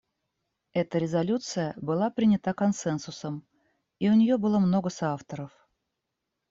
Эта резолюция была принята консенсусом, и у нее было много соавторов.